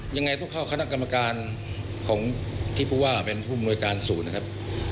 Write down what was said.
ยังไงก็เข้าคณะกรรมการของที่พูดว่าเป็นผู้มนุยการสูตรนะครับ